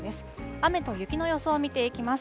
雨と雪の予想を見ていきます。